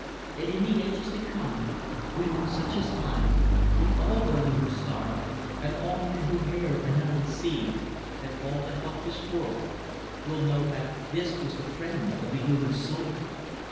And in the ages to come, women such as I, and all women who sorrow, and all men who err and are deceived, and all the helpless world, will know that this was the Friend of the human soul."